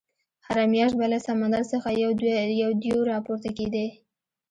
هره میاشت به له سمندر څخه یو دېو راپورته کېدی.